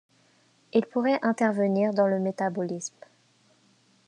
Il pourrait intervenir dans le métabolisme.